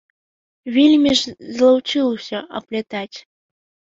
Вельмі ж злаўчыўся аплятаць.